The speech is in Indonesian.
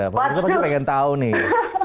harusnya masih pengen tahu nih